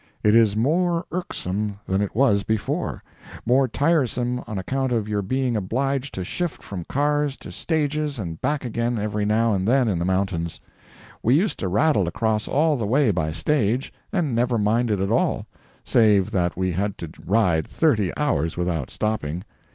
It is more irksome than it was before—more tiresome on account of your being obliged to shift from cars to stages and back again every now and then in the mountains. We used to rattle across all the way by stage, and never mind it at all, save that we had to ride thirty hours without stopping.